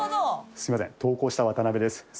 すいません投稿した渡邉です。